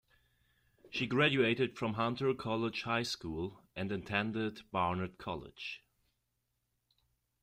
She graduated from Hunter College High School and attended Barnard College.